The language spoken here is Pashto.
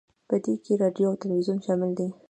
په دې کې راډیو او تلویزیون شامل دي